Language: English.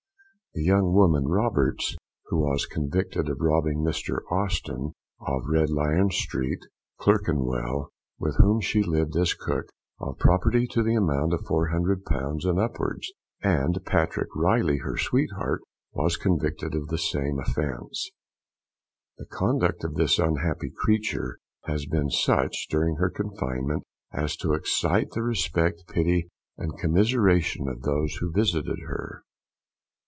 The young woman, Roberts, who was convicted of robbing Mr Austin, of Red Lion street, Clerkenwell, with whom she lived as cook, of property to the amount of £400 and upwards, and Patrick Riley, her sweetheart, was convicted of the same offence. The conduct of this unhappy creature has been such, during her confinement, as to excite the respect, pity, and commisseration of those who visited her.